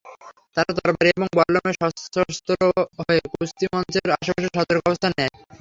তারা তরবারি এবং বল্লমে সশস্ত্র হয়ে কুস্তিমঞ্চের আশেপাশে সতর্ক অবস্থান নেয়।